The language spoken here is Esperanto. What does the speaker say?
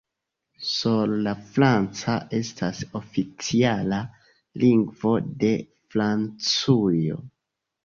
Sole la franca estas oficiala lingvo de Francujo.